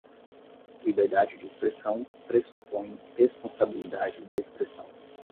Liberdade de expressão pressupõe responsabilidade de expressão